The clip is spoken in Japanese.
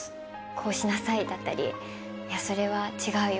「こうしなさい」だったり「いやそれは違うよ」